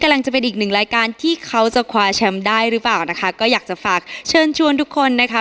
จะเป็นอีกหนึ่งรายการที่เขาจะคว้าแชมป์ได้หรือเปล่านะคะก็อยากจะฝากเชิญชวนทุกคนนะคะ